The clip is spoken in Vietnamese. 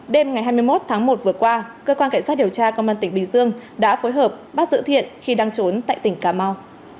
đêm ngày hai mươi một tháng một vừa qua cơ quan cảnh sát điều tra công an tỉnh bình dương đã phối hợp bắt giữ thiện khi đang trốn tại tỉnh cà mau